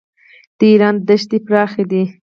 د ایران دښتې پراخې دي.